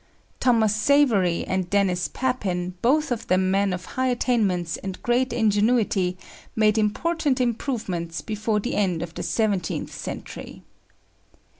Thomas Savery and Denis Papin, both of them men of high attainments and great ingenuity, made important improvements before the end of the seventeenth century.